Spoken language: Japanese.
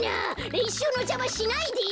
れんしゅうのじゃましないでよ！